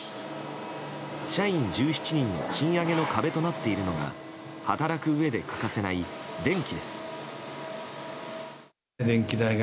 社員１７人の賃上げの壁となっているのが働くうえで欠かせない電気です。